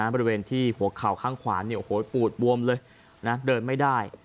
บริเวณที่หัวเข่าข้างขวานเนี่ยโอ้โหปูดบวมเลยนะเดินไม่ได้